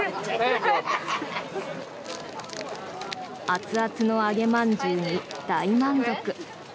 熱々の揚げまんじゅうに大満足。